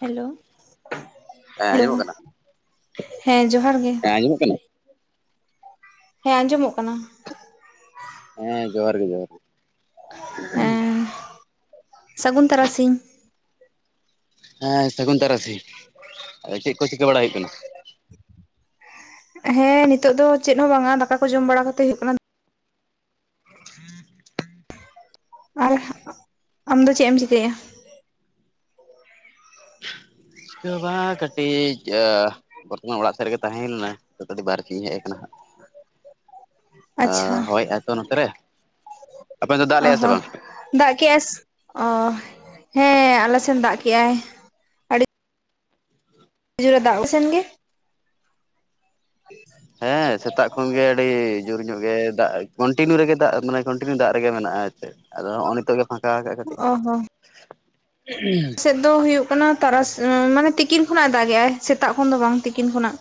Hello ᱦᱮᱸ hello ᱟᱸᱡᱚᱢᱚᱜ ᱠᱟᱱᱟ? ᱦᱮᱸ ᱡᱚᱦᱟᱨ ᱜᱮ᱾ ᱦᱮᱸ ᱟᱸᱡᱚᱢᱚᱜ ᱠᱟᱱᱟ ᱦᱮᱸ ᱟᱸᱡᱚᱢᱚᱜ ᱠᱟᱱᱟ᱾ ᱦᱮᱸ ᱡᱚᱦᱟᱨ ᱜᱮ ᱡᱚᱦᱟᱨ ᱜᱮ᱾ ᱮ ᱥᱟᱹᱜᱩᱱ ᱛᱟᱨᱟᱥᱤᱧ᱾ ᱦᱮᱸ ᱥᱟᱹᱜᱩᱱ ᱛᱟᱨᱟᱥᱤᱧ ᱟᱫᱚ ᱪᱮᱫ ᱠᱚ ᱪᱤᱠᱟᱹ ᱵᱟᱲᱟ ᱦᱩᱭᱩᱜ ᱠᱟᱱᱟ ᱦᱮᱸ ᱱᱤᱛᱚᱜ ᱫᱚ ᱪᱮᱫ ᱦᱚᱸ ᱵᱟᱝᱼᱟ ᱫᱟᱠᱟ ᱠᱚ ᱡᱚᱢ ᱵᱟᱲᱟ ᱠᱟᱛᱮ ᱦᱩᱭᱩᱜ ᱠᱟᱱᱟ᱾ [unintelligible] ᱟᱨ ᱟᱢᱫᱚ ᱪᱮᱫ ᱮᱢ ᱪᱤᱠᱟᱹᱭᱼᱟ᱾ ᱪᱤᱠᱟ ᱦᱚᱸ ᱵᱟᱝ ᱠᱟᱹᱴᱤᱡ ᱵᱚᱨᱛᱚᱢᱟᱱ ᱚᱲᱟᱜ ᱥᱮᱫ ᱨᱮᱜᱮ ᱛᱟᱦᱮᱸ ᱞᱮᱱᱟ [unintelligible] ᱵᱟᱨᱦᱮ ᱥᱮᱫ ᱤᱧ ᱦᱮᱡ ᱟᱠᱟᱱᱟ ᱱᱟᱦᱟᱸᱜ [inaudible] ᱟᱪᱪᱷᱟ [unintelligible] ᱦᱳᱭ ᱮ ᱟᱭ ᱛᱚ ᱱᱚᱛᱮᱨᱮ ᱚᱦᱚᱸ ᱫᱟᱜ ᱠᱮᱫᱼᱟᱭ ᱚᱻᱦᱮᱸ ᱟᱞᱮ ᱥᱮᱱ ᱫᱟᱜ ᱠᱮᱜ ᱼᱟᱭ᱾ [unintelligible] ᱫᱟᱜ [unintelligible] ᱥᱮᱱ ᱜᱮ ᱦᱮᱸ ᱥᱮᱛᱟᱜ ᱠᱷᱚᱱ ᱜᱮ ᱟᱹᱰᱤ ᱡᱩᱨ ᱧᱚᱜ ᱜᱮ ᱫᱟᱜ ᱠᱚᱱᱴᱤᱱᱤᱭᱩ ᱨᱮᱜᱮ ᱫᱟᱜ ᱢᱟᱱᱮ ᱠᱚᱱᱴᱤᱱᱤᱭᱩ ᱫᱟᱜ ᱨᱮᱜᱮ ᱢᱮᱱᱟᱜᱼᱟ ᱪᱮ ᱟᱫᱚ ᱱᱚᱸᱜᱼᱚᱭ ᱱᱤᱛᱚᱜ ᱜᱮ ᱯᱷᱟᱸᱠᱟ ᱠᱟᱜ ᱠᱟᱹᱴᱤᱡ ᱚ ᱦᱚᱸ ᱥᱮᱫ ᱫᱚ ᱦᱩᱭᱩᱜ ᱠᱟᱱᱟ ᱛᱟᱨᱟᱥ ᱢᱟᱱᱮ ᱛᱤᱠᱤᱱ ᱠᱷᱚᱱᱟᱜ ᱮ ᱫᱟᱜ ᱮᱟᱭ ᱥᱮᱛᱟᱜ ᱠᱷᱚᱱ ᱫᱚ ᱵᱟᱝ ᱛᱤᱠᱤᱱ ᱠᱷᱚᱱᱟᱜ᱾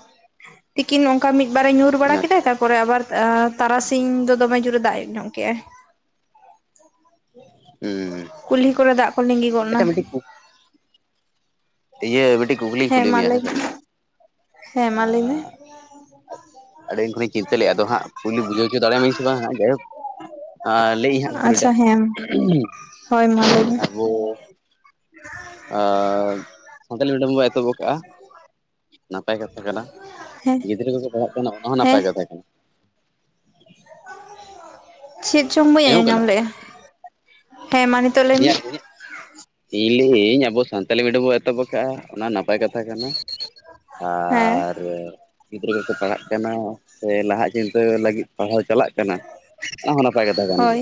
ᱛᱤᱠᱤᱱ ᱱᱚᱝᱠᱟ ᱢᱤᱫ ᱵᱟᱨ ᱮ ᱧᱩᱨ ᱵᱟᱲᱟ ᱠᱮᱫᱟ ᱟᱪᱪᱷᱟ ᱛᱟᱯᱚᱨᱮ ᱟᱵᱟᱨ᱾ ᱮᱸ ᱛᱟᱨᱟᱥᱤᱧ ᱫᱚ ᱫᱚᱢᱮ ᱡᱩᱨ ᱮ ᱫᱟᱜ ᱧᱚᱜ ᱠᱮᱜᱻᱟᱭ ᱦᱩᱸ ᱠᱩᱞᱦᱤ ᱠᱚᱨᱮ ᱫᱟᱜ ᱠᱚ ᱞᱤᱸᱜᱤ ᱜᱚᱫ ᱮᱱᱟ ᱟᱪᱪᱷᱟ ᱢᱤᱫᱴᱤᱡ ᱠᱩ ᱤᱭᱟᱹ ᱢᱤᱫᱴᱤᱡ ᱠᱩᱠᱞᱤᱧ ᱠᱩᱞᱤ ᱢᱟ ᱢᱮᱭᱟ ᱞᱟᱹᱭ ᱦᱮᱸ ᱥᱮ ᱢᱮ ᱦᱮᱸ ᱢᱟ ᱞᱟᱹᱭ ᱢᱮ ᱟᱸ [unintelligible] ᱟᱹᱰᱤᱧ ᱠᱷᱚᱱ ᱪᱤᱱᱛᱟᱹᱛ ᱞᱮᱫᱼᱟ ᱟᱫᱚ ᱦᱟᱸᱜ ᱠᱩᱞᱤ ᱵᱩᱡᱷᱟᱹᱣᱪᱚ ᱫᱟᱲᱮᱭᱟᱹᱞᱤᱧ ᱥᱮ ᱵᱟᱝ ᱦᱟᱸ ᱡᱟᱭᱳᱠ ᱟ ᱞᱟᱹᱭ ᱮ ᱟᱹᱧ ᱦᱟᱸᱜ ᱠᱩᱠᱩᱞᱤ ᱟᱪᱪᱷᱟ ᱴᱟᱜ ᱦᱮᱸ ᱦᱳᱭ ᱢᱟ ᱞᱟᱹᱭ ᱢᱮ ᱟᱵᱚ [unintelligible] ᱟᱨ ᱥᱟᱱᱛᱟᱲᱤ ᱢᱤᱰᱤᱭᱚᱢ ᱵᱚᱱ ᱮᱛᱚᱦᱚᱵ ᱟᱠᱟᱜᱼᱟ ᱱᱟᱯᱟᱭ ᱠᱟᱛᱷᱟ ᱠᱟᱱᱟ ᱦᱮᱸ ᱜᱤᱫᱽᱨᱟᱹ ᱠᱚᱠᱚ ᱯᱟᱲᱦᱟᱜ ᱠᱟᱱᱟ ᱚᱱᱟᱦᱚᱸ ᱦᱮᱸ ᱱᱟᱯᱟᱭ ᱠᱟᱛᱷᱟ ᱠᱟᱱᱟ᱾ ᱪᱮᱫ ᱪᱚᱝ ᱵᱟᱹᱧ ᱟᱸᱡ ᱟᱸᱡᱚᱢᱚᱜ ᱧᱟᱢ ᱠᱟᱱᱟ ᱞᱮᱜᱼᱟ ᱦᱮᱸ ᱢᱟ ᱱᱤᱛᱳᱜ ᱞᱟᱹᱭ ᱢᱮ ᱤᱧᱟᱹᱜ ᱤᱧᱟᱹᱜ ᱤᱧ ᱞᱟᱹᱭᱟᱹᱧ, ᱟᱵᱚ ᱥᱟᱱᱛᱟᱞᱤ ᱢᱤᱰᱤᱭᱟ ᱵᱚ ᱮᱛᱚᱦᱚᱵ ᱟᱠᱟᱫᱼᱟ, ᱚᱱᱟ ᱱᱟᱯᱟᱭ ᱠᱟᱛᱷᱟ ᱠᱟᱱᱟ᱾ ᱦᱮᱸ ᱟᱨ ᱜᱤᱫᱽᱨᱟᱹ ᱠᱚᱠᱚ ᱯᱟᱲᱦᱟᱜ ᱠᱟᱱᱟ ᱥᱮ ᱞᱟᱦᱟᱜ ᱪᱤᱱᱛᱟᱹ ᱞᱟᱹᱜᱤᱫ ᱯᱟᱲᱦᱟᱣ ᱪᱟᱞᱟᱜ ᱠᱟᱱᱟ ᱚᱱᱟ ᱦᱚᱸ ᱱᱟᱯᱟᱭ ᱠᱟᱛᱷᱟ ᱠᱟᱱ ᱦᱳᱭ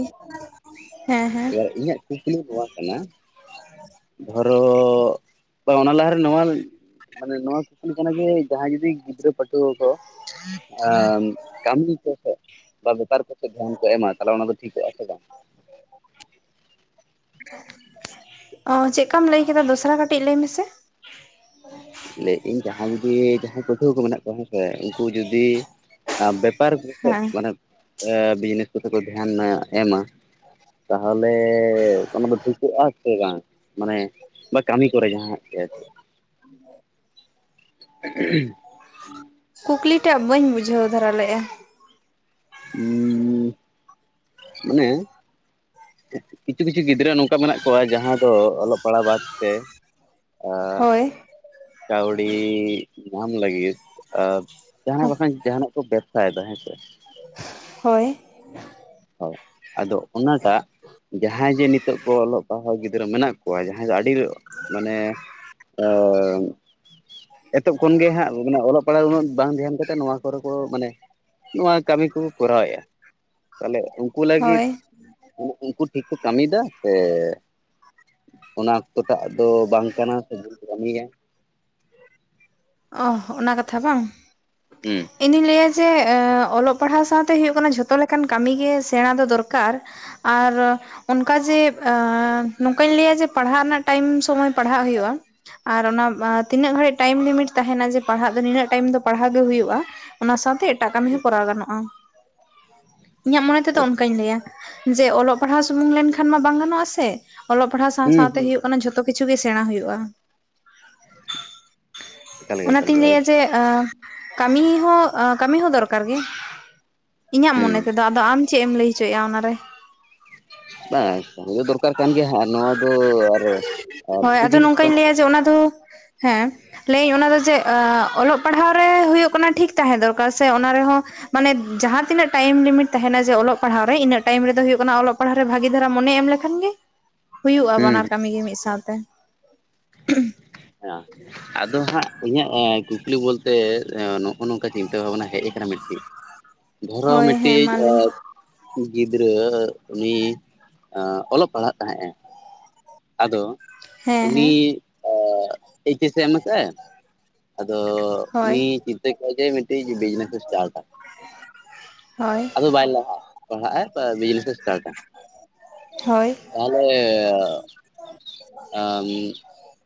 ᱦᱮᱸ ᱦᱮᱸ ᱜᱮᱭᱟ [unintelligible] ᱤᱧᱟᱹᱜ ᱠᱩᱠᱞᱤ ᱱᱚᱣᱟ ᱠᱟᱱᱟ ᱫᱷᱚᱨᱚ ᱵᱟᱸ ᱚᱱᱟ ᱞᱟᱦᱟᱨᱮ ᱱᱚᱣᱟ ᱢᱟᱱᱮ ᱱᱚᱣᱟ ᱠᱩᱠᱞᱤᱜ ᱠᱟᱱᱟ ᱡᱮ ᱡᱟᱦᱟᱸᱭ ᱡᱩᱫᱤ ᱜᱤᱫᱽᱨᱟᱹ [unintelligible] ᱴᱩ ᱠᱚ ᱟᱸ ᱠᱟᱹᱢᱤ ᱠᱚᱥᱮ ᱵᱟᱸ ᱵᱮᱯᱟᱨ ᱠᱚᱛᱮ ᱫᱷᱮᱭᱟᱱ ᱠᱚ ᱮᱢᱟ ᱛᱟᱦᱚᱞᱮ ᱚᱱᱟ ᱫᱚ ᱴᱷᱤᱠᱚᱜ ᱟ ᱥᱮ ᱵᱟᱝᱻᱟ [inaudible] ᱚ ᱪᱮᱜ ᱞᱮᱠᱟᱢ ᱞᱟᱹᱭ ᱠᱮᱫᱟ ᱫᱚᱥᱨᱟ ᱠᱟᱹᱴᱤᱡ ᱞᱟᱹᱭ ᱢᱮᱥᱮ ᱞᱟᱭᱮᱫᱤᱧ ᱡᱟᱦᱟᱸᱭ ᱡᱩᱫᱤ ᱡᱟᱦᱟᱸᱭ ᱯᱟᱹᱴᱷᱩᱣᱟᱹ ᱠᱚ ᱢᱮᱱᱟᱜ ᱠᱚᱣᱟ ᱦᱮᱸᱥᱮ ᱩᱱᱠᱩ ᱡᱩᱫᱤ ᱵᱮᱯᱟᱨ ᱦᱮᱸ ᱢᱟᱱᱮ ᱵᱤᱡᱽᱱᱮᱥ ᱠᱚᱛᱮ ᱠᱚ ᱫᱷᱮᱭᱟᱱ ᱮᱢᱟ ᱛᱟᱦᱚᱞᱮ ᱚᱱᱟ ᱫᱚ ᱴᱷᱤᱠᱩᱜᱼᱟ ᱥᱮ ᱵᱟᱝ ᱢᱟᱱᱮ ᱵᱟ ᱠᱟᱹᱢᱤ ᱠᱚᱨᱮ ᱡᱟᱦᱟᱸ [unintelligible] [inaudible] [inaudible] ᱠᱩᱠᱞᱤ ᱴᱟᱜ ᱵᱟᱹᱧ ᱵᱩᱡᱷᱟᱹᱣ ᱫᱷᱟᱨᱟ ᱞᱮᱜᱼᱟ ᱦᱩᱸ ᱢᱟᱱᱮ ᱠᱤᱪᱷᱩ ᱠᱤᱪᱷᱩ ᱜᱤᱫᱽᱨᱟᱹ ᱱᱚᱝᱠᱟ ᱢᱮᱱᱟᱜ ᱠᱚᱣᱟ ᱡᱟᱦᱟᱸᱭ ᱫᱚ ᱚᱞᱚᱜ ᱯᱟᱲᱦᱟᱜ ᱵᱟᱫ ᱛᱮ᱾ [unintelligible] ᱠᱟᱹᱣᱰᱤ ᱧᱟᱢ ᱞᱟᱹᱜᱤᱫ ᱡᱟᱦᱟᱸ ᱵᱟᱝᱠᱷᱟᱱ ᱡᱟᱦᱟᱸ ᱱᱟᱜ ᱠᱚ [unintelligible] ᱯᱷᱟᱭᱫᱟ ᱦᱮᱸᱪᱮ [unintelligible] ᱦᱳᱭ ᱦᱳ ᱟᱫᱚ ᱩᱱᱟ ᱴᱟᱜ ᱡᱟᱦᱟᱸᱭ ᱡᱮ ᱱᱤᱛᱚᱜ ᱠᱚ ᱚᱞᱚᱜ ᱯᱟᱲᱦᱟᱣ ᱜᱤᱫᱽᱨᱟᱹ ᱢᱮᱱᱟᱜ ᱠᱚᱣᱟ ᱡᱟᱦᱟᱸᱭ ᱫᱚ ᱟᱹᱰᱤ [unintelligible] ᱢᱟᱱᱮ ᱚ ᱮᱛᱚᱦᱚᱵ ᱠᱷᱚᱱ ᱜᱮ ᱦᱟᱸᱜ [unintelligible] ᱚᱞᱚᱜ ᱯᱟᱲᱦᱟᱜ ᱩᱱᱟᱹᱜ ᱵᱟᱝ ᱫᱷᱮᱭᱟᱱ ᱠᱟᱛᱮ ᱱᱚᱣᱟ ᱠᱚ ᱠᱚ ᱢᱟᱱᱮ ᱱᱚᱣᱟ ᱠᱟᱹᱢᱤ ᱠᱚᱠᱚ ᱠᱚᱨᱟᱣᱮᱫᱼᱟ᱾ [inaudible] ᱛᱟᱦᱚᱞᱮ ᱩᱱᱠᱩ ᱞᱟᱹᱜᱤᱫ ᱦᱳᱭ ᱩᱱᱠᱩ ᱴᱷᱤᱠ ᱠᱚ ᱠᱟᱹᱢᱤ ᱭᱮᱫᱟ ᱥᱮ [unintelligible] ᱚᱱᱟ ᱚᱠᱛᱚ ᱴᱟᱜ ᱫᱚ ᱵᱟᱝ ᱠᱟᱱᱟ ᱥᱮ ᱵᱷᱩᱞ ᱠᱚ ᱠᱟᱹᱢᱤᱭᱟ ᱚᱷ ᱚᱱᱟ ᱠᱟᱛᱷᱟ ᱵᱟᱝ᱾ ᱦᱩᱸ [unintelligible] ᱤᱧᱫᱩᱧ ᱞᱟᱹᱭᱟ ᱡᱮ ᱚᱞᱚᱜ ᱯᱟᱲᱦᱟᱣ ᱥᱟᱶᱛᱮ ᱦᱩᱭᱳᱜ ᱠᱟᱱᱟ ᱡᱷᱚᱛᱚ ᱞᱮᱠᱟᱱ ᱠᱟᱹᱢᱤ ᱜᱮ ᱥᱮᱬᱟ ᱫᱚ ᱫᱚᱨᱠᱟᱨ ᱟᱨ ᱚᱱᱠᱟ ᱡᱮ ᱱᱚᱝᱠᱟᱧ ᱞᱟᱹᱭᱟ ᱡᱮ ᱯᱟᱲᱦᱟᱜ ᱨᱮᱱᱟᱜ ᱴᱟᱭᱤᱢ ᱥᱚᱢᱚᱭ ᱯᱟᱲᱦᱟᱜ ᱦᱩᱭᱩᱜᱼᱟ᱾ ᱟᱨ ᱚᱱᱟ ᱛᱤᱱᱟᱹᱜ ᱜᱷᱟᱹᱲᱤᱡ ᱴᱟᱭᱤᱢ ᱞᱤᱢᱤᱴ ᱛᱟᱦᱮᱱᱟ ᱡᱮ ᱯᱟᱲᱦᱟᱜ ᱫᱚ ᱱᱤᱱᱟᱹᱜ ᱴᱟᱭᱤᱢ ᱫᱚ ᱯᱟᱲᱦᱟᱣ ᱜᱮ ᱦᱩᱭᱩᱜᱼᱟ ᱚᱱᱟ ᱥᱟᱶᱛᱮ ᱮᱴᱟᱜ ᱠᱟᱹᱢᱤ ᱦᱚᱸ ᱠᱚᱨᱟᱣ ᱜᱟᱱᱚᱜᱼᱟ ᱤᱧᱟᱹᱜ ᱢᱚᱱᱮ ᱛᱮᱫᱚ ᱚᱱᱠᱟᱧ ᱞᱟᱹᱭᱟ ᱡᱮ ᱚᱞᱚᱜ ᱯᱟᱲᱦᱟᱜ ᱥᱩᱢᱩᱝ ᱞᱮᱱᱠᱷᱟᱱ ᱢᱟ ᱵᱟᱝ ᱜᱟᱱᱚᱜᱟᱥᱮ᱾ ᱚᱞᱚᱜ ᱯᱟᱲᱦᱟᱣ ᱥᱟᱶ ᱦᱩᱸ ᱥᱟᱶᱛᱮ ᱦᱩᱸ ᱦᱳᱭᱩᱜ ᱠᱟᱱᱟ ᱡᱷᱚᱛᱚ ᱠᱤᱪᱷᱩ ᱜᱮ ᱥᱮᱬᱟ ᱦᱩᱭᱩᱜᱼᱟ ᱮᱠᱟᱞ ᱜᱮ ᱮᱠᱟᱞ ᱚᱱᱟᱛᱤᱧ ᱜᱮ ᱞᱟᱹᱭᱟ ᱡᱮ ᱠᱟᱹᱢᱤ ᱦᱚᱸ ᱠᱟᱹᱢᱤ ᱦᱚᱸ ᱫᱚᱨᱠᱟᱨ ᱜᱮ᱾ ᱤᱧᱟᱹᱜ ᱦᱩᱸ ᱢᱚᱱᱮ ᱛᱮᱫᱚ ᱟᱫᱚ ᱟᱢ ᱪᱮᱫ ᱮᱢ ᱞᱟᱹᱭ ᱦᱚᱪᱚᱭᱮᱫᱼᱟ ᱚᱱᱟᱨᱮ ᱵᱟᱝ ᱠᱟᱹᱢᱤ ᱫᱚᱨᱠᱟᱨ ᱠᱟᱱ ᱜᱮᱭᱟ ᱱᱚᱣᱟ ᱫᱚ ᱟᱨᱚ ᱦᱳᱭ ᱵᱷᱟᱹᱜᱤ ᱟᱫᱚ ᱡᱤᱱᱤᱥ ᱱᱚᱝᱠᱟᱧ ᱠᱟᱱ ᱞᱟᱹᱭᱟ ᱜᱮᱭᱟ ᱡᱮ ᱚᱱᱟ ᱫᱚ ᱦᱮᱸ ᱞᱟᱹᱭᱟᱹᱧ ᱚᱱᱟ ᱫᱚ ᱡᱮ ᱚᱞᱚᱜ ᱯᱟᱲᱦᱟᱣ ᱨᱮ ᱦᱩᱭᱩᱜ ᱠᱟᱱᱟ ᱴᱷᱤᱠ ᱛᱟᱦᱮᱸ ᱫᱚᱨᱠᱟᱨ ᱥᱮ ᱚᱱᱟ ᱨᱮᱦᱚᱸ ᱢᱟᱱᱮ ᱡᱟᱦᱟᱸ ᱛᱤᱱᱟᱹᱜ ᱴᱟᱭᱤᱢ ᱞᱤᱢᱤᱴ ᱛᱟᱦᱮᱱᱟ ᱡᱮ ᱚᱞᱚᱜ ᱯᱟᱲᱦᱟᱜᱨᱮ ᱤᱱᱟᱹᱜ ᱴᱟᱭᱤᱢ ᱨᱮᱫᱚ ᱦᱩᱭᱩᱜ ᱠᱟᱱᱟ ᱚᱞᱚᱜᱟᱜ ᱯᱟᱲᱦᱟᱜ ᱨᱮ ᱵᱷᱟᱹᱜᱤ ᱫᱷᱟᱨᱟ ᱢᱚᱱᱮ ᱮᱢ ᱞᱮᱠᱷᱟᱱ ᱜᱮ ᱦᱩᱭᱩᱜᱼᱟ ᱦᱩᱸ ᱵᱟᱱᱟᱨ ᱠᱟᱹᱢᱤᱜᱮ ᱢᱤᱫ ᱥᱟᱶᱛᱮ [unintelligible] [unintelligible] ᱟᱫᱚ ᱦᱟᱸᱜ ᱤᱧᱟᱹᱜ ᱠᱩᱠᱞᱤ ᱵᱚᱞᱛᱮ ᱱᱚᱜᱼᱚ ᱱᱚᱝᱠᱟ ᱪᱤᱱᱛᱟᱹ ᱵᱷᱟᱵᱱᱟ ᱦᱮᱡ ᱟᱠᱟᱱᱟ ᱢᱤᱫᱴᱤᱡ [unintelligible] ᱫᱷᱚᱨᱟᱣ ᱦᱳᱭ ᱦᱮᱸ ᱢᱤᱫᱴᱤᱡ ᱢᱟ ᱞᱟᱹᱭ ᱜᱤᱫᱽᱨᱟᱹ ᱩᱱᱤ ᱚᱞᱚᱜ ᱯᱟᱲᱦᱟᱜ ᱛᱟᱦᱮᱸᱜ ᱮ ᱟᱫᱚ ᱦᱮᱸ ᱩᱱᱤ ᱦᱮᱸ ᱮᱭᱤᱪ ᱮᱥ ᱮ ᱮᱢ-ᱟ ᱥᱮ ᱟᱫᱚ ᱦᱳᱭ ᱩᱱᱤ ᱪᱤᱱᱛᱟᱹ ᱠᱮᱫᱟᱭ ᱡᱮ ᱢᱤᱫᱴᱤᱡ ᱵᱤᱡᱽᱱᱮᱥ ᱮ ᱥᱴᱟᱨᱴᱟ ᱦᱳᱭ ᱟᱫᱚ ᱵᱟᱭ ᱞᱟᱦᱟᱜ-ᱟ ᱯᱟᱲᱦᱟᱜ [unintelligible] ᱰᱤᱡᱽᱱᱮᱥ ᱮ ᱮᱥᱴᱟᱴᱼᱟ ᱦᱳᱭ ᱛᱟᱦᱚᱞᱮ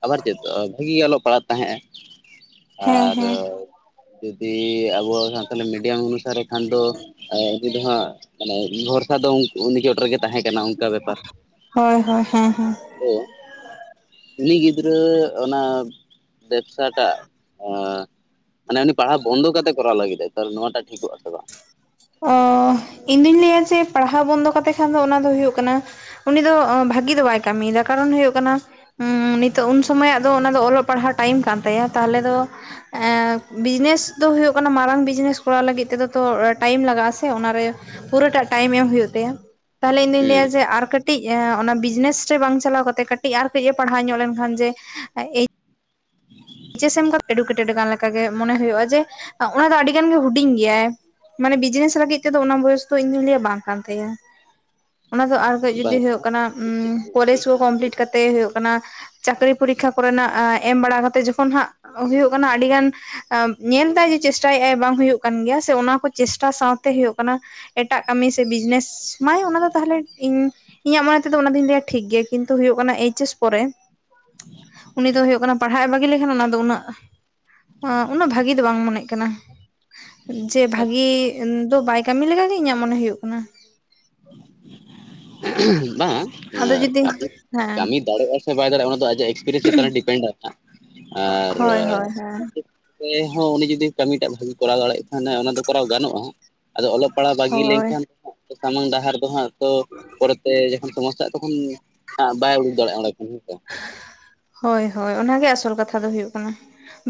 ᱟᱵᱟᱨ ᱪᱮᱫ ᱵᱷᱟᱹᱜᱤ ᱜᱮ ᱚᱞᱚᱜ ᱯᱟᱲᱦᱟᱜ ᱛᱟᱦᱮᱸᱜ ᱮ ᱦᱮᱸ ᱟᱨ ᱦᱮᱸ ᱡᱩᱫᱤ ᱟᱵᱚ ᱥᱟᱱᱛᱟᱞᱤ ᱢᱤᱰᱤᱭᱟᱢ ᱚᱱᱩᱥᱟᱨ ᱠᱷᱟᱱ ᱫᱚ ᱟᱨ ᱩᱱᱤ ᱫᱚ ᱦᱟᱸᱜ ᱢᱟᱱᱮ ᱢᱤ ᱦᱚᱲ ᱠᱷᱟᱱ ᱫᱚ ᱩᱱᱤ ᱜᱮ ᱴᱟᱨᱜᱮᱴ ᱛᱟᱦᱮᱸ ᱠᱟᱱᱟ ᱚᱱᱠᱟ ᱵᱮᱯᱟᱨ ᱦᱳᱭ ᱦᱳᱭ ᱦᱮᱸ ᱦᱮᱸ ᱛᱚ ᱩᱱᱤ ᱜᱤᱫᱽᱨᱟᱹ ᱚᱱᱟ ᱵᱮᱵᱽᱥᱟ [unintelligible] ᱢᱟᱱᱮ ᱩᱱᱤ ᱯᱟᱲᱦᱟᱣ ᱵᱚᱱᱫᱚ ᱠᱟᱛᱮ ᱠᱚᱨᱟᱣ ᱞᱟᱹᱜᱤᱫ ᱮᱫ ᱛᱟᱦᱚᱞᱮ ᱱᱚᱣᱟᱴᱟᱜ ᱴᱷᱤᱠᱚᱜ ᱟᱥᱮ ᱵᱟᱝ ᱚ ᱤᱧ ᱫᱩᱧ ᱞᱟᱹᱭᱟ ᱡᱮ ᱯᱟᱲᱦᱟᱣ ᱵᱚᱱᱫᱚ ᱠᱟᱛᱮ ᱠᱷᱟᱱ ᱫᱚ ᱚᱱᱟ ᱫᱚ ᱦᱩᱭᱩᱜ ᱠᱟᱱᱟ ᱩᱱᱤ ᱫᱚ ᱵᱷᱟᱹᱜᱤ ᱫᱚ ᱵᱟᱭ ᱠᱟᱹᱢᱤᱭᱮᱫᱟ ᱠᱟᱨᱚᱱ ᱦᱩᱭᱩᱜ ᱠᱟᱱᱟ ᱦᱩᱸ ᱩᱱᱤ ᱛᱚ ᱩᱱ ᱥᱚᱢᱚᱭᱟᱜ ᱫᱚ ᱚᱱᱟ ᱫᱚ ᱚᱞᱚᱜ ᱯᱟᱲᱦᱟᱜ ᱴᱟᱭᱤᱢ ᱠᱟᱱ ᱛᱟᱭᱟ᱾ ᱛᱟᱦᱚᱞᱮ ᱫᱚ ᱮᱸ ᱵᱤᱡᱽᱱᱮᱥ ᱫᱚ ᱦᱩᱭᱩᱜ ᱠᱟᱱᱟ ᱢᱟᱨᱟᱝ ᱵᱤᱡᱽᱱᱮᱥ ᱠᱚᱨᱟᱣ ᱞᱟᱹᱜᱤᱫ ᱛᱮᱫᱚ ᱛᱚ- ᱴᱟᱭᱤᱢ ᱞᱟᱜᱟᱜᱼᱟ ᱥᱮ ᱚᱱᱟᱨᱮ ᱯᱩᱨᱟᱹᱴᱟᱜ ᱴᱟᱭᱤᱢ ᱮᱢ ᱦᱩᱭᱩᱜ ᱛᱟᱭᱟ ᱛᱟᱦᱚᱞᱮ ᱤᱧ ᱫᱩᱧ ᱞᱟᱹᱭᱟ ᱡᱮ ᱟᱨ ᱠᱟᱹᱴᱤᱡ ᱠᱟᱹᱴᱤᱡ ᱚᱱᱟ ᱵᱤᱡᱽᱱᱮᱥ ᱨᱮ ᱵᱟᱝ ᱪᱟᱞᱟᱣ ᱠᱟᱛᱮᱜ ᱠᱟᱹᱴᱤᱡ ᱟᱨ ᱠᱟᱹᱡ ᱮ ᱯᱟᱲᱦᱟᱣ ᱧᱚᱜ ᱞᱮᱱᱠᱷᱟᱱ ᱡᱮ [unintelligible] [unintelligible] ᱮᱢ ᱮᱰᱩᱠᱮᱴᱮᱰᱟᱱ ᱞᱮᱠᱟᱜᱮ ᱢᱚᱱᱮ ᱦᱩᱭᱩᱜᱭᱼᱟ ᱡᱮ ᱚᱱᱟ ᱫᱚ ᱟᱹᱰᱤ ᱜᱟᱱ ᱜᱮ ᱦᱩᱰᱤᱧ ᱜᱮᱭᱟᱭ ᱢᱟᱱᱮ ᱵᱤᱡᱽᱱᱮᱥ ᱞᱟᱹᱜᱤᱫ ᱛᱮᱫᱚ ᱚᱱᱟ ᱵᱚᱭᱚᱥ ᱫᱚ ᱤᱧ ᱫᱩᱧ ᱞᱟᱹᱭᱟ ᱵᱟᱝ ᱠᱟᱱ ᱛᱟᱭᱟ᱾ᱚᱱᱟ ᱫᱚ ᱦᱩᱸ ᱡᱩᱫᱤ ᱵᱟᱝ ᱦᱩᱭᱩᱜ ᱠᱟᱱᱟ ᱠᱚᱞᱮᱡ ᱮᱭᱤᱪ ᱠᱚ ᱮᱥ ᱮ ᱠᱚᱢᱯᱞᱤᱴ ᱠᱟᱛᱮ ᱛᱮ ᱦᱩᱭᱩᱜ ᱠᱟᱱᱟ ᱪᱟᱹᱠᱨᱤ ᱯᱚᱨᱤᱠᱠᱷᱟ ᱠᱚᱨᱮᱱᱟᱜ ᱮᱢ ᱵᱟᱲᱟ ᱠᱟᱛᱮ ᱡᱚᱠᱷᱚᱱ ᱦᱟᱸᱜ ᱦᱩᱭᱩᱜ ᱠᱟᱱᱟ ᱟᱹᱰᱤ ᱜᱟᱱ [unintelligible] ᱧᱮᱞ ᱫᱟᱭ ᱡᱮ ᱪᱮᱥᱴᱟᱭᱮᱫ ᱟᱭ ᱵᱟᱝ ᱦᱩᱭᱩᱜ ᱠᱟᱱ ᱜᱮᱭᱟ ᱥᱮ ᱚᱱᱟ ᱠᱚ ᱪᱮᱥᱴᱟ ᱥᱟᱶᱛᱮ ᱦᱩᱭᱩᱜ ᱠᱟᱱᱟ ᱮᱴᱟᱜ ᱠᱟᱹᱢᱤ ᱥᱮ ᱵᱤᱡᱽᱱᱮᱥ ᱢᱟᱭ ᱚᱱᱟᱫᱚ ᱛᱟᱦᱚᱞᱮ ᱤᱧ ᱤᱧᱟᱹᱜ ᱢᱚᱱᱮ ᱛᱮᱫᱚ ᱚᱱᱟ ᱫᱚᱧ ᱞᱟᱹᱭᱟ ᱴᱷᱤᱠ ᱜᱮᱭᱟ, ᱠᱤᱱᱛᱩᱳ ᱦᱩᱭᱩᱜᱭ ᱠᱟᱱᱟ ᱮᱭᱤᱪ ᱮᱥ ᱯᱚᱨᱮ ᱩᱱᱤ ᱫᱚ ᱦᱳᱭᱳᱜ ᱠᱟᱱᱟ, ᱯᱟᱲᱦᱟᱜ ᱮ ᱵᱟᱜᱤ ᱵᱷᱟᱹᱜᱤ ᱞᱮᱠᱷᱟᱱ ᱚᱱᱟ ᱫᱚ ᱩᱱᱟᱹᱜ, ᱩᱱᱟᱹᱜ ᱵᱷᱟᱹᱜᱤ ᱫᱚ ᱵᱟᱝ ᱢᱚᱱᱮᱜ ᱠᱟᱱᱟ᱾ ᱡᱮ ᱵᱷᱟᱹᱜᱤ ᱟᱪᱪᱷᱟ ᱫᱚ ᱵᱟᱭ ᱠᱟᱹᱢᱤ ᱞᱮᱠᱟᱜᱮ ᱤᱧᱟᱹᱜ ᱢᱚᱱᱮ ᱦᱩᱭᱩᱜ ᱠᱟᱱᱟ᱾ [unintelligible] ᱵᱟᱝ ᱟᱫᱚ ᱡᱩᱫᱤ [inaudible] ᱠᱟᱹᱢᱤ ᱦᱮᱸ ᱫᱟᱲᱮᱭᱟᱜᱼᱟ ᱥᱮ ᱵᱟᱭ ᱫᱟᱲᱮᱭᱟᱜᱼᱟ ᱚᱱᱟ ᱫᱚ ᱟᱭᱟᱜ ᱮᱠᱥᱯᱤᱨᱤᱭᱮᱱᱥ ᱪᱮᱛᱟᱱ ᱨᱮ ᱰᱤᱯᱮᱱᱰ ᱟᱨ ᱦᱳᱭ ᱦᱳᱭ ᱦᱮᱸ [unintelligible] ᱦᱚᱸ ᱩᱱᱤ ᱡᱩᱫᱤ ᱠᱟᱹᱢᱤᱴᱟᱜ ᱵᱷᱟᱹᱜᱤ ᱠᱚᱨᱟᱣ ᱫᱟᱲᱮᱭᱟᱜ ᱠᱷᱟᱱᱮ ᱚᱱᱟ ᱫᱚ ᱠᱚᱨᱟᱣ ᱜᱟᱱᱚᱜᱼᱟ᱾ ᱟᱫᱚ ᱚᱞᱚᱜ ᱯᱟᱲᱦᱟᱣ ᱵᱟᱹᱜᱤ ᱦᱳᱭ ᱞᱮᱱᱠᱷᱟᱱ ᱥᱟᱢᱟᱝ ᱰᱟᱦᱟᱨ ᱫᱚ ᱦᱟᱸᱜ ᱛᱚ ᱯᱚᱨᱮᱛᱮ ᱡᱚᱠᱷᱚᱱ ᱥᱚᱢᱚᱥᱥᱟ ᱛᱚᱠᱷᱚᱱ ᱵᱟᱭ ᱩᱰᱩᱠ ᱫᱟᱲᱮᱭᱟᱜᱼᱟ ᱾ᱚᱰᱮ ᱠᱷᱚᱱ ᱦᱮᱸ ᱥᱮ ᱦᱳᱭ ᱦᱳᱭ ᱚᱱᱟᱜᱮ ᱟᱥᱚᱞ ᱠᱟᱛᱷᱟ ᱫᱚ ᱦᱩᱭᱩᱜ ᱠᱟᱱᱟ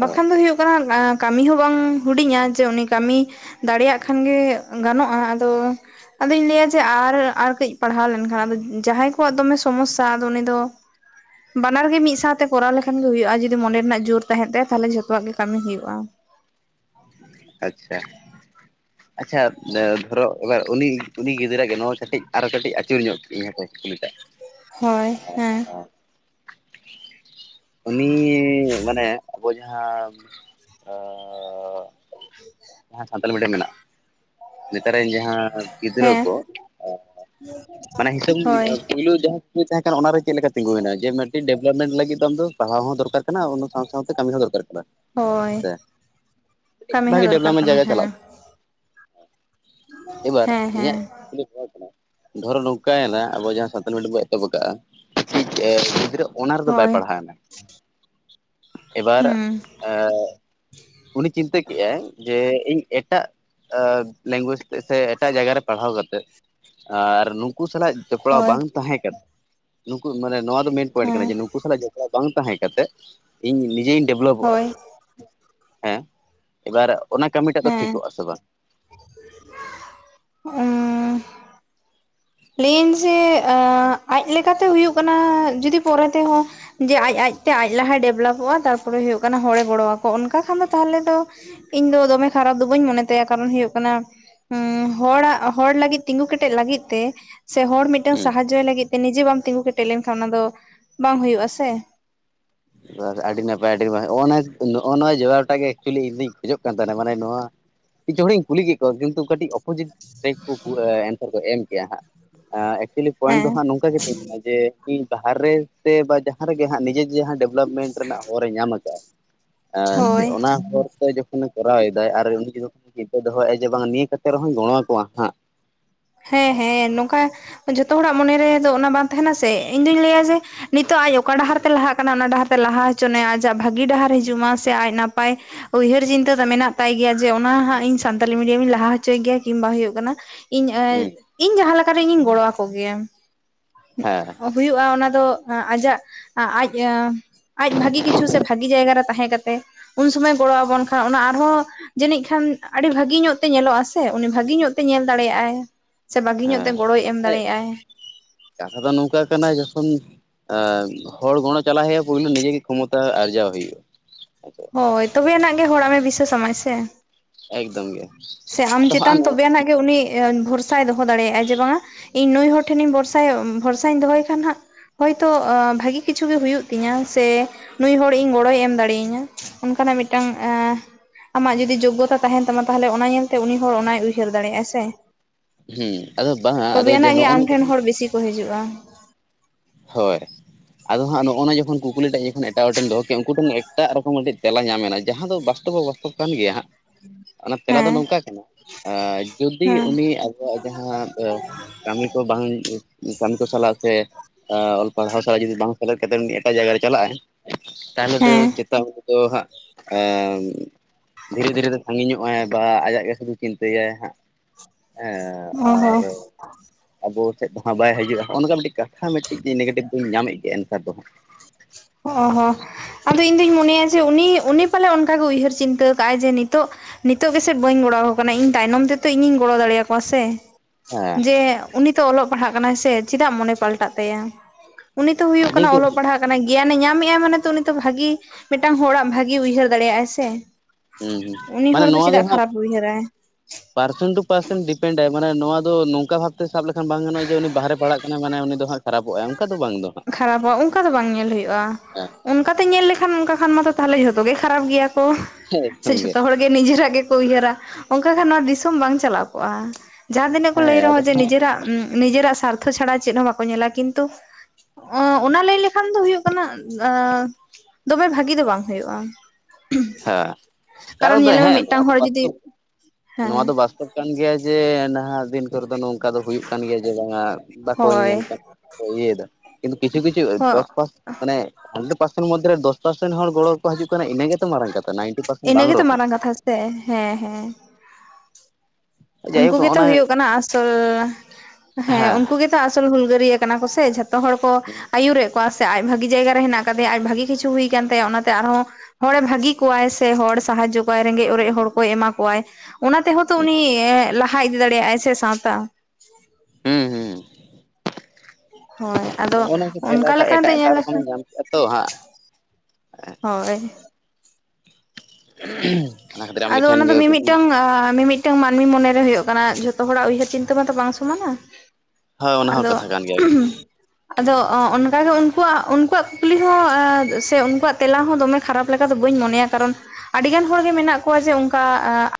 ᱦᱳᱭ ᱫᱚ ᱦᱩᱭᱩᱜ ᱠᱟᱱᱟ ᱠᱟᱹᱢᱤ ᱦᱚᱸ ᱵᱟᱝ ᱦᱩᱰᱤᱧᱟ ᱡᱮ ᱩᱱᱤ ᱠᱟᱹᱢᱤ ᱫᱟᱲᱮᱭᱟᱜ ᱠᱷᱟᱱᱜᱮ ᱜᱟᱱᱚᱜᱼᱟ ᱟᱫᱚ ᱟᱫᱚᱧ ᱞᱟᱹᱭᱟ ᱡᱮ ᱟᱨ, ᱟᱨ ᱠᱟᱹᱡ ᱯᱟᱲᱦᱟᱣ ᱞᱮᱱᱠᱷᱟᱱ, ᱡᱟᱦᱟᱸᱭ ᱠᱚᱣᱟᱜ ᱫᱚᱢᱮ ᱥᱚᱢᱚᱥᱟ [unintelligible] ᱩᱱᱤ ᱫᱚ ᱵᱟᱱᱟᱨ ᱜᱮ ᱢᱤᱜ ᱥᱟᱶᱛᱮ ᱠᱚᱨᱟᱣ ᱞᱮᱠᱷᱟᱱ ᱜᱮ ᱦᱩᱭᱩᱜᱼᱟ, ᱡᱩᱫᱤ ᱢᱚᱱᱮ ᱨᱮᱱᱟᱜ ᱡᱳᱨ ᱛᱟᱸᱦᱮᱜ ᱛᱟᱭᱟ ᱛᱟᱦᱚᱞᱮ ᱡᱷᱚᱛᱚᱣᱟᱜ ᱜᱮ ᱠᱟᱹᱢᱤ ᱦᱩᱭᱩᱜᱼᱟ᱾ ᱟᱪᱪᱷᱟ, ᱟᱪᱪᱷᱟ ᱮᱸ ᱫᱷᱚᱨᱚ ᱮᱵᱟᱨ ᱩᱱᱤ ᱩᱱᱤ ᱜᱤᱫᱽᱨᱟᱹ ᱜᱮ ᱱᱚᱣᱟ ᱠᱟᱹᱴᱤᱡ ᱟᱨᱚ ᱠᱟᱹᱴᱤᱡ ᱟᱹᱪᱩᱨ ᱧᱚᱜ ᱠᱤ ᱦᱟᱯᱮ ᱠᱩᱠᱞᱤ ᱴᱟᱜ᱾ ᱦᱮᱸ, ᱦᱮᱸ᱾ ᱩᱱᱤᱻ ᱢᱟᱱᱮ ᱵᱚᱭᱦᱟ ᱟᱹᱻ ᱡᱟᱸᱦᱟ ᱥᱟᱱᱛᱟᱞᱤ ᱢᱤᱰᱤᱭᱟᱢ ᱢᱮᱱᱟᱜᱼᱟ᱾ ᱱᱮᱛᱟᱨ ᱨᱮᱱ ᱡᱟᱸᱦᱟ ᱜᱤᱫᱽᱨᱟᱹ ᱦᱮᱸ ᱠᱚ ᱮᱸ ᱢᱟᱱᱮ ᱦᱤᱥᱟᱹᱵᱽ ᱤᱧ ᱦᱳᱭ ᱮ ᱯᱩᱭᱞᱩ ᱡᱟᱸᱦᱟ ᱠᱩ ᱛᱟᱸᱦᱮ ᱠᱟᱱ ᱚᱱᱟᱨᱮ ᱪᱮᱫ ᱞᱮᱠᱟ ᱛᱤᱸᱜᱩᱭ ᱱᱟ ᱡᱮ ᱢᱮ ᱰᱮᱵᱷᱞᱚᱯᱢᱮᱱᱴ ᱞᱟᱹᱜᱤᱫ ᱫᱚ ᱟᱢᱫᱚ ᱯᱟᱲᱦᱟᱣ ᱦᱚᱸ ᱫᱚᱨᱠᱟᱨ ᱠᱟᱱᱟ ᱚᱱᱟ ᱥᱟᱶ ᱥᱟᱶ ᱛᱮ ᱠᱟᱹᱢᱤ ᱦᱚᱸ ᱫᱚᱨᱠᱟᱨ ᱠᱟᱱᱟ᱾ ᱦᱳᱭ [unintelligible] ᱠᱟᱹᱴᱤᱡ ᱠᱟᱹᱢᱤ ᱦᱚᱸ ᱵᱷᱟᱜᱤ ᱫᱚᱨᱠᱟᱨ ᱰᱮᱵᱷᱞᱚᱯᱢᱮᱱᱴ ᱠᱟᱱᱟ ᱡᱟᱭᱜᱟ ᱦᱮᱸ ᱪᱟᱞᱟᱜ ᱮᱵᱟᱨ ᱦᱮᱸ ᱦᱮᱸ ᱤᱧᱟᱜ [inaudible] ᱛᱟᱸᱦᱮ ᱠᱟᱱᱟ᱾ ᱫᱷᱚᱨᱚ ᱱᱚᱝᱠᱟᱭᱮᱱᱟ ᱟᱵᱚ ᱡᱟᱸᱦᱟ ᱥᱟᱱᱛᱟᱞᱤ ᱢᱤᱰᱤᱭᱟᱢ ᱵᱚᱱ ᱮᱛᱚᱦᱚᱵ ᱟᱠᱟᱫᱼᱟ [unintelligible] ᱜᱤᱫᱽᱨᱟᱹ ᱚᱱᱟ ᱨᱮᱫᱚ ᱵᱟᱭ ᱦᱳᱭ ᱯᱟᱲᱦᱟᱣᱱᱟ, ᱵᱟᱨ ᱦᱩᱸ ᱮᱸ ᱩᱱᱤ ᱪᱤᱱᱛᱟᱹ ᱠᱮᱜᱼᱟᱭ ᱡᱮ ᱤᱧ ᱮᱴᱟᱜ ᱮᱸ ᱞᱮᱝᱜᱩᱭᱡᱽ ᱛᱮ ᱥᱮ ᱮᱴᱟᱜ ᱡᱟᱭᱜᱟ ᱨᱮ ᱯᱟᱲᱦᱟᱣ ᱠᱟᱛᱮᱜ ᱟᱨ ᱱᱩᱱᱠᱩ ᱥᱟᱞᱟᱜ ᱡᱚᱯᱚᱲᱟᱣ ᱦᱳᱭ ᱵᱟᱝ ᱛᱟᱸᱦᱮ ᱠᱟᱱᱟ ᱱᱩᱠᱩ ᱢᱟᱱᱮ ᱱᱚᱣᱟ ᱢᱮᱱ ᱯᱚᱭᱮᱱᱴ ᱠᱟᱱᱟ ᱦᱮᱸ ᱡᱮ ᱱᱩᱠᱩ ᱥᱟᱞᱟᱜ ᱡᱚᱯᱚᱲᱟᱣ ᱵᱟᱝ ᱛᱟᱦᱮᱸ ᱠᱟᱛᱮ ᱤᱧ ᱱᱤᱡᱮᱧ ᱰᱮᱵᱷᱞᱚᱵᱚᱜᱼᱟ᱾ ᱦᱳᱭ ᱮᱵᱟᱨ ᱚᱱᱟ ᱠᱟᱹᱢᱤ ᱴᱟᱜ ᱫᱚ ᱴᱷᱤᱠᱚᱜᱼᱟ ᱥᱮ ᱵᱟᱝ? ᱚᱻ ᱞᱟᱹᱭ ᱢᱮᱥᱮ ᱟᱸᱜ ᱟᱡ ᱞᱮᱠᱟ ᱛᱮ ᱦᱩᱭᱩᱜ ᱠᱟᱱᱟ ᱡᱩᱫᱤ ᱯᱚᱨᱮ ᱛᱮᱦᱚᱸ ᱡᱮ ᱟᱡᱼᱟᱡᱛᱮ ᱟᱡ ᱞᱟᱦᱟᱭ ᱰᱮᱵᱷᱞᱚᱵᱚᱜᱼᱟ ᱛᱟᱨᱯᱚᱨᱮ ᱦᱩᱭᱩᱜ ᱠᱟᱱᱟ ᱦᱚᱲᱮ ᱜᱚᱲᱚ ᱟᱠᱚᱣᱟ ᱚᱱᱠᱟ ᱠᱷᱟᱱ ᱫᱚ ᱛᱟᱦᱚᱞᱮ ᱫᱚ ᱤᱧ ᱫᱚ ᱫᱚᱢᱮ ᱠᱷᱟᱨᱟᱯ ᱫᱚ ᱵᱟᱹᱧ ᱢᱚᱱᱮ ᱛᱟᱭᱟ ᱠᱟᱨᱚᱱ ᱦᱩᱭᱩᱜ ᱠᱟᱱᱟ᱾ ᱩᱸ ᱦᱚᱲᱟᱜ ᱦᱚᱲ ᱞᱟᱹᱜᱤᱫ ᱛᱤᱸᱜᱩ ᱠᱮᱴᱮᱡ ᱞᱟᱹᱜᱤᱫ ᱛᱮ ᱥᱮ ᱦᱚᱲ ᱢᱤᱫᱴᱮᱝ ᱦᱩᱸ ᱥᱟᱦᱟᱡᱡᱚᱭ ᱞᱟᱹᱜᱤᱫ ᱛᱮ ᱱᱤᱡᱮ ᱵᱟᱢ ᱛᱤᱸᱜᱩ ᱠᱮᱴᱮᱡ ᱞᱮᱱᱠᱷᱟᱱ ᱚᱱᱟ ᱫᱚ ᱵᱟᱝ ᱦᱩᱭᱩᱜᱼᱟ ᱥᱮ᱾ ᱡᱚᱦᱟ ᱜᱮ ᱹᱰᱤ ᱱᱟᱯᱟᱭ ᱟᱹᱰᱤ ᱢᱟ ᱚᱼᱚᱱᱟᱜ ᱱᱚᱜᱼᱚ ᱱᱚᱣᱟ ᱡᱚᱵᱟᱵ ᱴᱟᱜ ᱜᱮ ᱮᱠᱪᱩᱭᱮᱞᱤ ᱤᱧ ᱫᱩᱧ ᱠᱷᱚᱡᱚᱜ ᱠᱟᱱ ᱛᱟᱸᱦᱮᱱᱟ ᱢᱟᱱᱮ ᱱᱚᱣᱟ ᱠᱤᱪᱷᱩ ᱦᱚᱲᱤᱧ ᱠᱩᱞᱤ ᱠᱮᱜ ᱠᱚᱣᱟ ᱠᱤᱱᱛᱩ ᱠᱟᱹᱴᱤᱡ ᱚᱯᱚᱡᱤᱴ ᱴᱟᱭᱤᱯ ᱠᱚ ᱮᱱᱥᱟᱨ ᱠᱚ ᱮᱢ ᱠᱮᱜᱼᱟ ᱦᱟᱸᱜ᱾ ᱮᱸ ᱮᱠᱪᱩᱭᱞᱤ ᱯᱚᱭᱮᱱᱴ ᱫᱚ ᱦᱮᱸ ᱦᱟᱸᱜ ᱱᱚᱝᱠᱟ ᱜᱮ ᱛᱟᱸᱦᱮᱱᱟ ᱡᱮ ᱠᱤ ᱡᱟᱦᱟᱨ ᱨᱮ ᱥᱮ ᱵᱟ ᱡᱟᱦᱟᱸ ᱨᱮᱜᱮ ᱦᱟᱸᱜ ᱱᱤᱡᱮᱜᱮ ᱦᱟᱸ ᱰᱮᱞᱚᱯᱢᱮᱱᱴ ᱨᱮᱱᱟᱜ ᱦᱚᱨ ᱮ ᱧᱟᱢ ᱟᱠᱟᱫᱼᱟ ᱮᱸ ᱦᱳᱭ ᱚᱱᱟ ᱦᱚᱨᱛᱮ ᱡᱚᱠᱷᱚᱱ ᱠᱷᱚᱱ ᱮ ᱠᱚᱨᱟᱣ ᱮᱫᱟᱭ ᱟᱨ ᱩᱱᱤ ᱡᱩᱫᱤ ᱪᱤᱱᱛᱟᱹ ᱫᱚᱦᱚᱭᱟᱭ ᱡᱮ ᱵᱟᱝ ᱱᱤᱭᱟᱹ ᱠᱟᱛᱮ ᱨᱮᱦᱚᱸ ᱜᱚᱬᱚ ᱟᱠᱚᱣᱟ ᱦᱟᱸᱜ᱾ ᱦᱮᱸ ᱦᱮᱸ ᱱᱚᱝᱠᱟ ᱡᱷᱚᱛᱚ ᱦᱚᱲᱟᱜ ᱢᱚᱱᱮ ᱨᱮ ᱫᱚ ᱚᱱᱟ ᱵᱟᱝ ᱛᱟᱦᱮᱱᱟ ᱥᱮ ᱤᱧ ᱫᱩᱧ ᱞᱟᱹᱭᱟ ᱡᱮ ᱱᱤᱛᱚᱜ ᱟᱡ ᱚᱠᱟ ᱰᱟᱦᱟᱨ ᱛᱮ ᱞᱟᱦᱟᱜ ᱠᱟᱱᱟ ᱚᱱᱟ ᱰᱟᱦᱟᱨ ᱛᱮ ᱞᱟᱦᱟ ᱦᱚᱪᱚᱱᱮ ᱟᱡᱟᱜ ᱵᱷᱟᱹᱜᱤ ᱰᱟᱦᱟᱨ ᱦᱤᱡᱩᱜ ᱢᱟ ᱥᱮ ᱟᱡ ᱱᱟᱯᱟᱭ ᱩᱭᱦᱟᱹᱨ ᱪᱤᱱᱛᱟᱹ ᱫᱚ ᱢᱮᱱᱟᱜ ᱛᱟᱭ ᱜᱮᱭᱟ ᱡᱮ ᱚᱱᱟ ᱦᱟᱸᱜ ᱤᱧ ᱥᱟᱱᱛᱟᱞᱤ ᱢᱤᱰᱤᱭᱟᱢᱤᱧ ᱞᱟᱦᱟ ᱦᱚᱪᱚᱭ ᱜᱮ ᱠᱤᱝᱵᱟ ᱦᱳᱭᱳᱜ ᱠᱟᱱᱟ ᱤᱧ ᱮ ᱤᱧ ᱡᱟᱸᱦᱟ ᱞᱮᱠᱟᱨᱮ ᱤᱧᱤᱧ ᱜᱚᱲᱚ ᱟᱠᱚ ᱜᱮᱭᱟ᱾ ᱦᱮᱸ ᱦᱩᱭᱩᱜᱼᱟ ᱚᱱᱟ ᱫᱚ ᱮᱸ ᱟᱡᱟᱜ ᱟ-ᱟᱡ ᱮᱸ ᱟᱡ ᱵᱷᱟᱜᱤ ᱠᱤᱪᱷᱩ ᱥᱮ ᱵᱷᱟᱜᱤ ᱡᱟᱭᱜᱟ ᱨᱮ ᱛᱟᱸᱦᱮ ᱠᱟᱛᱮ ᱩᱱ ᱥᱚᱢᱚᱭ ᱜᱚᱲᱚ ᱟᱵᱚᱱ ᱠᱷᱟᱱ ᱚᱱᱟ ᱟᱨᱦᱚᱸ ᱡᱟᱹᱱᱤᱡ ᱠᱷᱟᱱ ᱟᱹᱰᱤ ᱵᱷᱟᱹᱜᱤ ᱧᱚᱜ ᱛᱮ ᱧᱮᱞᱚᱜᱼᱟ ᱥᱮ ᱩᱱᱤ ᱵᱷᱟᱹᱜᱤ ᱧᱚᱜ ᱛᱮ ᱧᱮᱞ ᱫᱟᱲᱮᱭᱟᱜᱼᱟᱭ᱾ ᱥᱮ ᱵᱟᱹᱜᱤ ᱧᱚᱜ ᱛᱮ ᱦᱮᱸ ᱜᱚᱲᱚᱭ ᱮᱢ ᱢᱟᱱᱮ ᱫᱟᱲᱮᱭᱟᱼᱟᱭ᱾ ᱠᱟᱛᱷᱟ ᱫᱚ ᱱᱚᱝᱠᱟ ᱠᱟᱱᱟ ᱡᱚᱠᱷᱚᱱ ᱮᱸ ᱦᱚᱲ ᱜᱚᱲᱚᱪ ᱪᱟᱞᱟᱜ ᱦᱩᱭᱩᱜᱼᱟ ᱯᱩᱭᱞᱩ ᱱᱤᱡᱮ ᱜᱮ ᱠᱷᱚᱢᱚᱛᱟ ᱟᱨᱡᱟᱣ ᱦᱩᱭᱩᱜᱼᱟ᱾ ᱦᱳᱭ, ᱛᱚᱵᱮ ᱟᱱᱟᱜ ᱜᱮ ᱦᱚᱲ ᱟᱢᱮ ᱵᱤᱥᱥᱟᱹᱥ ᱟᱢᱟᱭ ᱥᱮ᱾ ᱮᱠᱫᱚᱢ ᱜᱮ ᱥᱮ ᱟᱢ ᱟᱫᱚ ᱪᱮᱛᱟᱱ ᱦᱟᱸᱜ ᱛᱚᱵᱮ ᱟᱱᱟᱜ ᱜᱮ ᱩᱱᱤ [unintelligible] ᱵᱷᱚᱨᱥᱟᱭ ᱫᱚᱦᱚ ᱫᱟᱲᱮᱭᱟᱜᱼᱟᱭ ᱡᱮ ᱵᱟᱝᱼᱟ ᱤᱧ ᱱᱩᱭ ᱦᱚᱲ ᱴᱷᱮᱱᱤᱧ ᱵᱷᱨᱥᱟᱭᱟ ᱵᱷᱚᱨᱥᱟᱧ ᱫᱚᱦᱚᱭ ᱠᱷᱟᱱ ᱦᱟᱸᱜ ᱦᱳᱭᱛᱚ ᱟ ᱵᱷᱟᱜᱤ ᱠᱤᱪᱷᱩ ᱜᱮ ᱦᱩᱭᱩᱜ ᱛᱤᱧᱟ ᱥᱮ ᱱᱩᱭ ᱦᱚᱲ ᱤᱧ ᱜᱚᱲᱚᱭ ᱮᱢ ᱫᱟᱲᱮᱭᱤᱧᱟ᱾ ᱚᱱᱠᱟᱱᱟᱜ ᱢᱤᱫᱴᱟᱝ ᱮᱸᱼ ᱟᱢᱟᱜ ᱡᱩᱫᱤ ᱡᱳᱜᱽᱜᱚᱛᱟ ᱛᱟᱦᱮᱱ ᱛᱟᱢᱟ ᱛᱟᱦᱚᱞᱮ ᱚᱱᱟ ᱧᱮᱞᱛᱮ ᱩᱱᱤ ᱦᱚᱲ ᱚᱱᱟᱭ ᱩᱭᱦᱟᱹᱨ ᱫᱟᱲᱮᱭᱟᱜ ᱟᱭ ᱥᱮ᱾ ᱦᱩᱸ, ᱟᱫᱚ ᱵᱟᱝᱼᱟ ᱟᱫᱚ ᱡᱮ ᱛᱚᱵᱮᱭᱟᱱᱟᱜ ᱜᱮ ᱱᱚᱜᱼᱚ ᱟᱢ ᱱᱚᱝᱠᱟ ᱴᱷᱮᱱ ᱠᱷᱟᱱ ᱦᱚᱲ ᱵᱮᱥᱤ ᱠᱚ ᱦᱤᱡᱩᱜᱼᱟ᱾ ᱦᱳᱭ, ᱟᱫᱚ ᱦᱟᱸᱜ ᱱᱚᱜᱼᱚᱱᱟ ᱡᱚᱠᱷᱚᱱ ᱠᱩᱠᱞᱤ ᱴᱟᱜ ᱡᱚᱠᱷᱚᱱ ᱮᱴᱟᱜ ᱦᱚᱲ ᱴᱷᱮᱱ ᱫᱚᱦᱚ ᱠᱮᱜᱼᱟ ᱩᱱᱠᱩ ᱴᱷᱮᱱ ᱮᱴᱟᱜ ᱨᱚᱠᱚᱢ ᱢᱤᱫᱴᱤᱡ ᱛᱮᱞᱟ ᱧᱟᱢ ᱮᱱᱟ ᱡᱟᱦᱟᱸ ᱫᱚ ᱵᱟᱥᱛᱚᱵ ᱦᱚᱸ ᱵᱟᱥᱛᱚᱵ ᱠᱟᱱ ᱜᱮᱭᱟ ᱦᱟᱸᱜ ᱚᱱᱟ ᱛᱮᱞᱟ ᱫᱚ ᱦᱮᱸ ᱱᱚᱝᱠᱟ ᱠᱟᱱᱟ, ᱡᱩᱫᱤ ᱦᱮᱸ ᱩᱱᱤ ᱟᱡᱟᱜ ᱡᱟᱦᱟᱸ [inaudible] ᱠᱟᱹᱢᱤ ᱠᱚ ᱵᱟᱝ ᱠᱟᱹᱢᱤ ᱠᱚ ᱥᱟᱞᱟᱜ ᱥᱮ ᱚᱞ ᱯᱟᱲᱦᱟᱣ ᱥᱟᱶ ᱡᱩᱫᱤ ᱵᱟᱝ ᱥᱮᱞᱮᱫ ᱠᱟᱛᱮᱫ, ᱩᱱᱤ ᱮᱴᱟᱜ ᱡᱟᱭᱜᱟ ᱨᱮ ᱪᱟᱞᱟᱜ ᱟᱭ᱾ ᱛᱟᱦᱚᱞᱮ ᱫᱚ ᱦᱮᱸ ᱪᱮᱛᱟᱱ ᱛᱳ ᱦᱟᱸᱜ ᱮᱢ ᱫᱷᱤᱨᱮ ᱫᱷᱤᱨᱮ ᱥᱟᱺᱜᱤᱧ ᱚᱜᱼᱟᱭ ᱵᱟ ᱟᱡᱟᱜ ᱜᱮ ᱥᱩᱫᱩ ᱪᱤᱱᱛᱟᱹᱭᱟᱭ ᱦᱟᱜ᱾ ᱚ ᱦᱮᱸᱟᱨ ᱦᱚᱸ ᱟᱵᱚ ᱥᱮᱫ ᱫᱚ ᱦᱟᱜ ᱵᱟᱭ ᱦᱤᱡᱩᱜᱼᱟ᱾ ᱱᱚᱜ-ᱚᱭ ᱱᱚᱝᱠᱟ ᱢᱤᱫᱴᱤᱡ ᱠᱟᱛᱷᱟ ᱢᱤᱫᱴᱤᱡ ᱱᱮᱜᱮᱴᱤᱵᱷ ᱫᱚᱧ ᱧᱟᱢᱮᱫ ᱜᱮᱭᱟ᱾ ᱮᱱᱥᱟᱨ ᱫᱚ ᱦᱟᱸᱜ᱾ ᱚ ᱻᱦᱚᱸ ᱟᱫᱚ ᱤᱧ ᱫᱩᱧ ᱢᱚᱱᱮᱭᱟ ᱡᱮ ᱩᱱᱤ ᱩᱱᱤ ᱯᱟᱞᱮ ᱚᱱᱠᱟᱜᱮ ᱩᱭᱦᱟᱹᱨ ᱪᱤᱱᱛᱟᱹ ᱠᱟᱜᱼᱟᱭ ᱡᱮ ᱱᱤᱛᱚᱜ ᱱᱤᱛᱚᱜ ᱜᱮ ᱥᱮᱫ ᱵᱟᱹᱧ ᱜᱚᱲᱚ ᱟᱠᱚ ᱠᱟᱱᱟ ᱤᱧ᱾ ᱛᱟᱭᱱᱚᱢ ᱛᱮᱛᱚ ᱤᱧᱤᱧ ᱜᱚᱲᱚ ᱫᱟᱲᱮᱭᱟᱠᱚᱣᱟ ᱥᱮ? ᱦᱮᱸ ᱡᱮ ᱩᱱᱤ ᱛᱚ ᱚᱞᱚᱜ ᱯᱟᱲᱦᱟᱜ ᱠᱟᱱᱟᱭ ᱥᱮ? ᱪᱮᱫᱟᱜ ᱢᱚᱱᱮ ᱯᱟᱞᱴᱟᱜ ᱛᱟᱭᱟ᱾ ᱩᱱᱤᱛᱚ ᱦᱳᱭᱳᱜ ᱠᱟᱱᱟ ᱱᱤᱭᱟᱹᱜᱮ ᱚᱞᱚᱜ ᱦᱩᱸ ᱯᱟᱲᱦᱟᱜ ᱠᱟᱱᱟᱭ᱾ ᱜᱮᱭᱟᱱᱮ ᱧᱟᱢ ᱮᱜᱟᱭ ᱢᱟᱱᱮ ᱛᱚ ᱩᱱᱤ ᱛᱚ ᱵᱷᱟᱜᱤ ᱢᱤᱫᱴᱟᱝ ᱦᱚᱲᱟᱜ ᱵᱷᱟᱜᱤ ᱩᱭᱦᱟᱹᱨ ᱫᱟᱲᱮᱭᱟᱜᱼᱟᱭ ᱥᱮ ᱦᱩᱸ ᱩᱱᱤ ᱢᱟᱱᱮ ᱦᱚᱲ ᱫᱚ ᱱᱚᱣᱟ ᱪᱮᱫᱟᱜ ᱦᱟᱸᱜ ᱠᱷᱟᱨᱟᱯ ᱩᱭᱦᱟᱹᱨᱟᱭ ᱯᱟᱨᱥᱮᱱ ᱴᱩ ᱯᱟᱨᱥᱮᱱ ᱰᱤᱯᱮᱱᱰ ᱟᱭ ᱢᱟᱱᱮ ᱱᱚᱣᱟ ᱫᱚ ᱱᱚᱝᱠᱟ ᱵᱷᱟᱵ ᱥᱟᱵ ᱞᱮᱠᱷᱟᱱ ᱵᱟᱝ ᱜᱟᱱᱚᱜᱼᱟ ᱡᱮ ᱩᱱᱤ ᱵᱟᱦᱨᱮ ᱯᱟᱲᱦᱟᱜ ᱠᱟᱱᱟ ᱢᱟᱱᱮ ᱩᱱᱤ ᱫᱚ ᱦᱟᱸᱜ ᱠᱷᱟᱨᱟᱯᱚᱜᱼᱟ᱾ ᱚᱱᱠᱟ ᱫᱚ ᱵᱟᱝ ᱫᱚ ᱦᱟᱸᱜ᱾ ᱠᱷᱟᱨᱟᱯᱚᱜ ᱚᱱᱠᱟ ᱫᱚ ᱵᱟᱝ ᱧᱮᱞ ᱦᱩᱭᱩᱜᱼᱟ᱾ ᱚᱱᱠᱟᱛᱮ ᱧᱮᱞ ᱞᱮᱠᱷᱟᱱ ᱚᱱᱠᱟ ᱠᱷᱟᱱ ᱢᱟᱛᱚ ᱛᱟᱦᱚᱞᱮ ᱡᱷᱚᱛᱚ ᱜᱮ ᱠᱷᱟᱨᱟᱯ ᱜᱮᱭᱟ ᱠᱚ ᱦᱮᱸ ᱥᱮ ᱮᱠᱫᱚᱢ ᱜᱮ ᱡᱷᱚᱛᱚ ᱦᱚᱲᱜᱮ ᱱᱤᱡᱮᱨᱟᱜ ᱜᱮᱠᱚ ᱩᱭᱦᱟᱹᱨᱟ ᱚᱱᱠᱟ ᱠᱷᱟᱱ ᱱᱚᱣᱟ ᱫᱤᱥᱚᱢ ᱵᱟᱝ ᱪᱟᱞᱟᱣ ᱠᱚᱜᱼᱟ ᱡᱟᱦᱟᱸ ᱛᱤᱱᱟᱹᱜ ᱠᱚ ᱦᱮᱸ ᱞᱟᱹᱭ ᱟᱫᱚ ᱨᱮᱦᱚᱸ ᱡᱮ ᱱᱤᱡᱮᱨᱟᱜ, ᱱᱤᱡᱮᱨᱟᱜ ᱥᱟᱨᱛᱷᱚ ᱪᱷᱟᱲᱟ ᱪᱮᱫ ᱦᱚᱸ ᱵᱟᱠᱚ ᱧᱮᱞᱟ ᱠᱤᱱᱛᱩ ᱚᱱᱟ ᱞᱟᱹᱭ ᱞᱮᱠᱷᱟᱱ ᱫᱚ ᱦᱩᱭᱩᱜ ᱠᱟᱱᱟ, ᱫᱚᱢᱮ ᱵᱷᱟᱹᱜᱤ ᱫᱚ ᱵᱟᱝ ᱦᱩᱭᱩᱜᱼᱟ᱾ ᱦᱮᱸ, ᱠᱟᱨᱚᱱ ᱫᱚ ᱧᱮᱞᱮ ᱢᱮ ᱦᱮᱸ᱾ ᱱᱚᱣᱟ ᱢᱤᱫᱴᱟᱝ ᱫᱚ ᱦᱚᱲ ᱡᱩᱫᱤ ᱵᱟᱥᱛᱚᱵ ᱱᱚᱣᱟ ᱦᱮᱸ ᱫᱚ ᱵᱟᱥ ᱠᱟᱱ ᱜᱮᱭᱟ ᱡᱮ ᱱᱟᱦᱟᱜ ᱫᱤᱱ ᱠᱚᱨᱮ ᱫᱚ ᱱᱚᱝᱠᱟ ᱫᱚ ᱦᱩᱭᱩᱜ ᱜᱮᱭᱟ ᱡᱮ ᱵᱟᱝ ᱵᱟᱠᱚ ᱦᱳᱭ ᱤᱭᱟᱹᱭᱮᱫᱟ ᱠᱤᱪᱷᱩ ᱠᱤᱪᱷᱩ ᱦᱚᱸ ᱢᱟᱱᱮ ᱦᱟᱱᱰᱨᱮᱰ ᱯᱟᱨᱥᱮᱱ ᱢᱚᱫᱽᱫᱷᱮ ᱨᱮ ᱫᱚᱥ ᱯᱟᱨᱥᱮᱱᱴ ᱦᱚᱲ ᱜᱚᱲᱚ ᱠᱚ ᱦᱤᱡᱩᱜ ᱠᱟᱱᱟ ᱤᱱᱟᱹᱜᱮᱛᱚ ᱢᱟᱨᱟᱝ ᱠᱟᱛᱷᱟ ᱱᱟᱭᱤᱱᱴᱤ ᱯᱟᱨᱥᱮᱱ ᱵᱟᱝ ᱤᱱᱟᱹᱜᱮᱛᱚ ᱨᱮᱦᱚᱸ ᱢᱟᱨᱟᱝ ᱠᱟᱛᱷᱟ ᱥᱮ ᱦᱮᱸ ᱦᱮᱸ ᱩᱱᱠᱩ ᱡᱟᱭᱦᱳᱠ ᱜᱮᱛᱚ ᱚᱱᱟ ᱦᱩᱭᱩᱜ ᱠᱟᱱᱟ ᱟᱥᱚᱞ ᱦᱮᱸ ᱩᱱᱠᱩ ᱜᱮᱛᱚ ᱡᱚ ᱟᱥᱚᱞ ᱦᱩᱞᱜᱟᱹᱨᱤᱭᱟᱹ ᱠᱟᱱᱟ ᱠᱚ ᱥᱮ ᱡᱷᱚᱛᱚ ᱦᱚᱲ ᱠᱚ ᱦᱩᱸ ᱟᱭᱩᱨᱮᱫ ᱯᱟᱻᱥᱮ ᱟᱡ ᱵᱷᱟᱹᱜᱤ ᱡᱟᱭᱜᱟ ᱨᱮ ᱦᱮᱱᱟᱜ ᱠᱟᱫᱮ, ᱟᱡ ᱵᱷᱟᱹᱜᱤ ᱠᱤᱪᱷᱩ ᱦᱩᱭ ᱟᱠᱟᱱ ᱛᱟᱭᱟ ᱾ᱚᱱᱟᱛᱮ ᱟᱨᱦᱚᱸ ᱦᱚᱲᱮ ᱵᱷᱟᱹᱜᱤ ᱠᱚᱣᱟᱭ ᱥᱮ ᱦᱚᱲ ᱥᱟᱦᱟᱡᱡᱚ ᱠᱚᱣᱟᱭ ᱨᱮᱸᱜᱮᱡ ᱚᱨᱮᱡ ᱦᱚᱲ ᱠᱚᱭ ᱮᱢᱟ ᱠᱚᱣᱟᱭ᱾ ᱚᱱᱟ ᱛᱮᱦᱚᱸ ᱛᱚ ᱩᱱᱤ ᱞᱟᱦᱟ ᱤᱫᱤ ᱫᱟᱲᱮᱭᱟᱜᱼᱟᱭ ᱥᱮ ᱥᱟᱶᱛᱟ ᱦᱮᱸ ᱦᱮᱸ ᱦᱳᱭ ᱟᱫᱚ ᱚᱱᱠᱟ ᱛᱮᱞᱟᱴᱟᱜ ᱞᱮᱠᱟᱛᱮ ᱮᱴᱟᱜ ᱧᱮᱞ ᱮᱴᱟᱜ ᱞᱮᱠᱷᱟᱱ ᱨᱚᱠᱚᱢ ᱧᱟᱢ ᱠᱮᱫᱼᱟ ᱛᱚ ᱦᱟᱸᱜ ᱦᱳᱭ ᱚᱱᱟ ᱠᱷᱟᱹᱛᱤᱨ ᱟᱢᱜᱮ ᱟᱫᱚ ᱚᱱᱟ ᱴᱷᱮᱱ ᱫᱚ ᱜᱮ ᱠᱩᱞᱤ ᱢᱤ-ᱢᱤᱫᱴᱟᱝ ᱢᱤ-ᱢᱤᱫᱴᱟᱝ ᱢᱤᱫᱴᱟᱝ ᱢᱟᱹᱱᱢᱤ ᱢᱚᱱᱮᱨᱮ ᱦᱩᱭᱩᱜ ᱠᱟᱱᱟ ᱡᱷᱚᱛᱚ ᱦᱚᱲᱟᱜ ᱩᱭᱦᱟᱹᱨ ᱪᱤᱱᱛᱟᱹ ᱢᱟᱛᱚ ᱵᱟᱝ ᱥᱚᱢᱟᱱᱟ ᱦᱳᱭ ᱚᱱᱟ ᱦᱚᱸ ᱟᱫᱚ ᱠᱟᱛᱷᱟ ᱠᱟᱱ ᱜᱮᱭᱟ ᱟᱫᱚ ᱚᱱᱠᱟ ᱜᱮ ᱩᱱᱠᱩᱣᱟᱜ, ᱩᱱᱠᱩᱣᱟᱜ ᱠᱩᱠᱞᱤ ᱦᱚᱸ ᱥᱮ ᱩᱱᱠᱩᱣᱟᱜ ᱛᱮᱞᱟ ᱦᱚᱸ ᱫᱚᱢᱮ ᱠᱷᱟᱨᱟᱯ ᱞᱮᱠᱟ ᱫᱚ ᱵᱟᱹᱧ ᱢᱚᱱᱮᱭᱟ ᱠᱟᱨᱚᱱ ᱟᱹᱰᱤ ᱜᱟᱱ ᱦᱚᱲᱜᱮ ᱢᱮᱱᱟᱜ ᱠᱚᱣᱟ ᱡᱮ ᱚᱱᱠᱟ